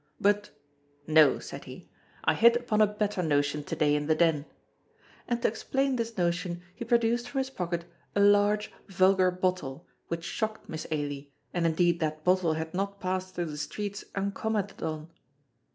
But "No," said he, "I hit upon a better notion to day in the Den," and to explain this notion he produced from his pocket a large, vulgar bottle, which shocked Miss Ailie, and indeed that bottle had not passed through the streets uncommented on.